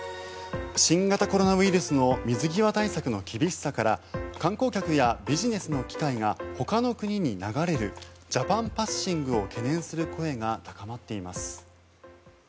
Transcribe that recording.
新型コロナウイルスの水際対策の厳しさから観光客やビジネスの機会がほかの国に流れるジャパン・パッシングを懸念する声が高まっています。